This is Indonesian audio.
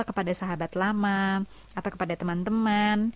kepada sahabat lama atau kepada teman teman